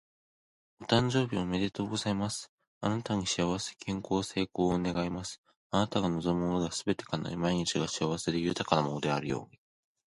お誕生日おめでとうございます！あなたに幸せ、健康、成功を願います。あなたが望むものがすべて叶い、毎日が幸せで豊かなものであるように。